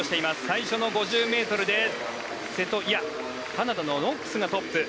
最初の５０ｍでカナダのノックスがトップ。